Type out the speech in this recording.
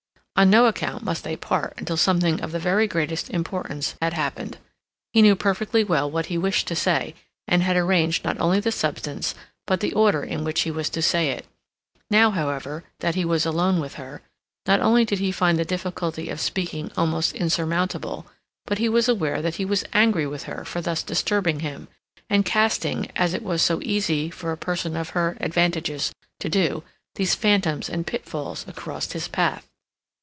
On no account must they part until something of the very greatest importance had happened. He knew perfectly well what he wished to say, and had arranged not only the substance, but the order in which he was to say it. Now, however, that he was alone with her, not only did he find the difficulty of speaking almost insurmountable, but he was aware that he was angry with her for thus disturbing him, and casting, as it was so easy for a person of her advantages to do, these phantoms and pitfalls across his path.